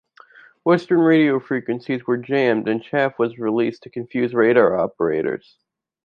Western radio frequencies were jammed and chaff was released to confuse radar operators.